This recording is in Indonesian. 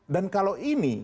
dan kalau ini